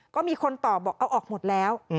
ก็มีคนตอบบอกเอาออกหมดแล้ว